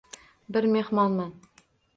Bir mehmonman.